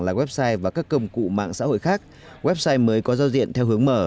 là website và các công cụ mạng xã hội khác website mới có giao diện theo hướng mở